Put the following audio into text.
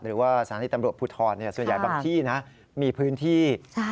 หรือว่าสถานีตำรวจภูทรส่วนใหญ่บางที่นะมีพื้นที่